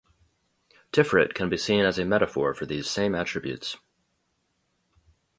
Tiferet can be seen as a metaphor for these same attributes.